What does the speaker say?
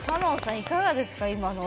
いかがですか今の。